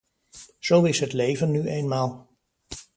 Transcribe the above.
Zo is het leven nu eenmaal.